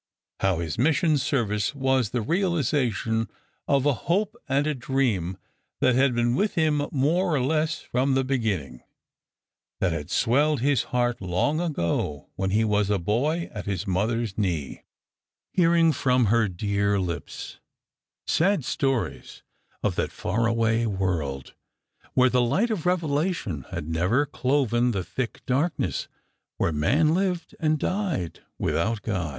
How this mission service was the realisation of a hope and a dream that had been with him more or less from the beginning, that had swelled his heart long go, wlien he was a boy at his mother's knee, hearing from her dear h])3 sad stories of that far away world where the light of revelation had never cloven the thick darkness, where man lived and died without God.